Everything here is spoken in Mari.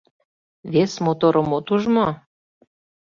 Вес моторым от уж мо?